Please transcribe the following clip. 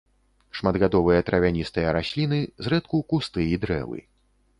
Шматгадовыя травяністыя расліны, зрэдку кусты і дрэвы.